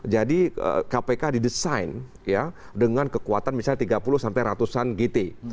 jadi kpk didesain dengan kekuatan misalnya tiga puluh sampai ratusan gt